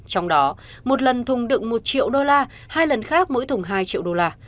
trong đó một lần thùng đựng một triệu đô la hai lần khác mỗi thùng hai triệu đô la